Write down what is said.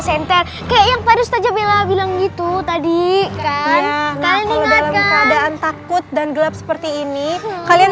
senter kayak yang tadi saja bella bilang gitu tadi kan takut dan gelap seperti ini kalian